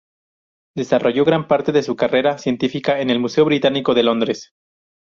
Desarrolló gran parte de su carrera científica en el Museo Británico de Londres.